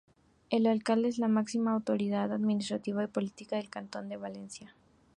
El Alcalde es la máxima autoridad administrativa y política del cantón Valencia.